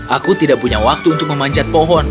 aku tidak punya waktu untuk memanjat pohon